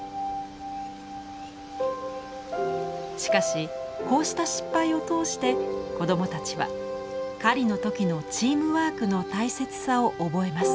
しかしこうした失敗を通して子供たちは狩りの時のチームワークの大切さを覚えます。